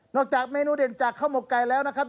จากเมนูเด่นจากข้าวหมกไก่แล้วนะครับ